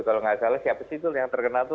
kalau nggak salah siapa sih itu yang terkenal tuh